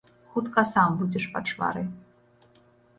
Хутка сам будзеш пачварай.